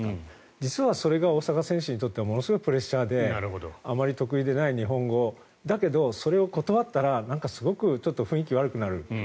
実はそれが大坂選手にとってはものすごいプレッシャーであまり得意でない日本語だけど、それを断ったらなんかすごく雰囲気が悪くなる。